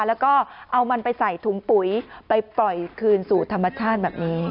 แล้วก็เอามันไปใส่ถุงปุ๋ยไปปล่อยคืนสู่ธรรมชาติแบบนี้